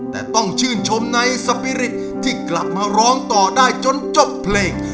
แต่ต้องชื่นชมในสปีริตที่กลับมาร้องต่อได้จนจบเพลง